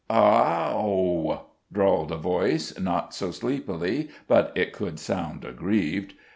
"Ah h h ow!" drawled a voice, not so sleepily but it could sound aggrieved.